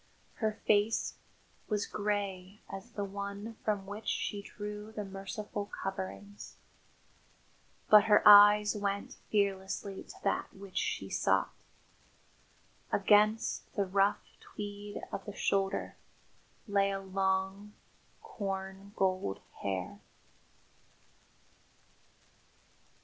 Her face was grey as the one from which she drew the merciful coverings, but her eyes went fearlessly to that which she sought. Against the rough tweed of the shoulder lay a long, corn gold hair.